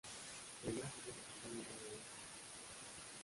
El ácido, en cambio, no lo es tanto.